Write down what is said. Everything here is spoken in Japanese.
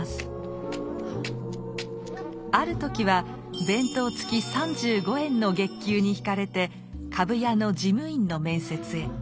ある時は「弁当つき三十五円」の月給にひかれて株屋の事務員の面接へ。